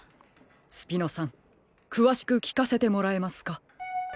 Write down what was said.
スピノさんくわしくきかせてもらえますか？